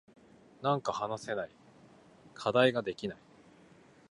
なんか話せない。課題ができない。